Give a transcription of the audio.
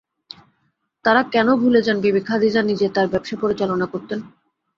তাঁরা কেন ভুলে যান বিবি খাদিজা নিজে তাঁর ব্যবসা পরিচালনা করতেন।